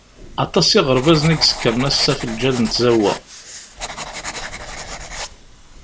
Aṭas iɣerbazen i isekkṛen assa ɣef lǧal n tzawwa.